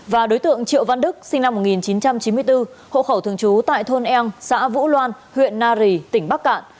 và đối tượng triệu văn đức sinh năm một nghìn chín trăm chín mươi bốn hộ khẩu thường trú tại thôn eng xã vũ loan huyện nari tỉnh bắc cạn